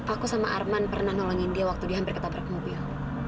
aku sama arman pernah nolongin dia waktu dia hampir ketabrak mobil